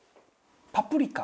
パプリカ。